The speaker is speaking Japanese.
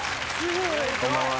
こんばんは。